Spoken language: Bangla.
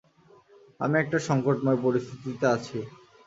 আমি একটা সংকটময় পরিস্থিতিতে আছি।